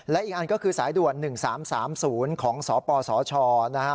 และอีกอันก็คือสายด่วน๑๓๓๐ของสปสชนะฮะ